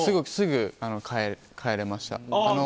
すぐ帰れました。